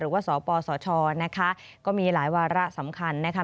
หรือว่าสปสชนะคะก็มีหลายวาระสำคัญนะคะ